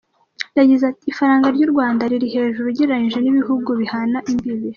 Yagize ati “Ifaranga ry’u Rwanda riri hejuru ugereranyije n’ibihugu bihana imbibi.